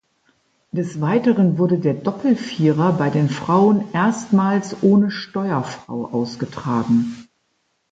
Des Weiteren wurde der Doppelvierer bei den Frauen erstmals ohne Steuerfrau ausgetragen.